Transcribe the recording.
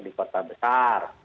di kota besar